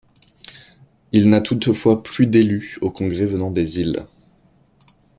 Il n'a toutefois plus d'élu au Congrès venant des Îles.